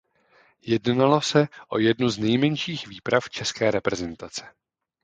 Jednalo se o jednu z nejmenších výprav české reprezentace.